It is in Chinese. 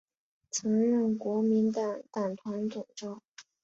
曾任国民党党团总召。